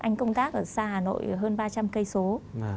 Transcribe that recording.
anh công tác ở xa hà nội hơn ba trăm linh km